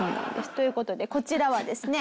という事でこちらはですね